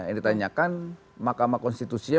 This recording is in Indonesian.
yang ditanyakan mahkamah konstitusinya